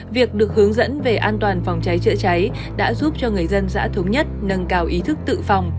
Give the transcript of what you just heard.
việc được hướng dẫn về an toàn phòng cháy chữa cháy đã giúp cho người dân xã thống nhất nâng cao ý thức tự phòng